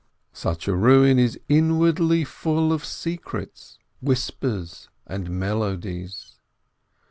Such a ruin is inwardly full of secrets, whispers, and melodies.